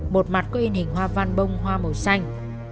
một mặt có in hình hoa văn bông hoa màu xanh